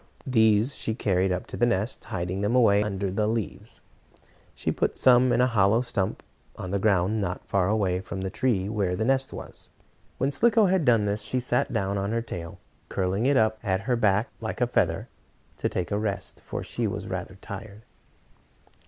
These she carried up to the nest, hiding them away under the leaves. Some she put in a hollow stump, on the ground not far away from the tree where the nest was. When Slicko had done this, she sat down on her tail, curling it up at her back like a feather, to take a rest, for she was rather tired.